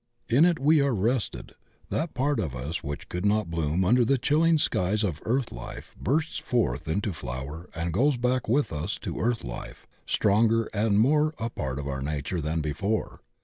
"In it we are rested; that part of us which could not bloom under the chilling skies of earth life bursts forth into flower and goes back with us to earth life stronger and more a part of our nature than before.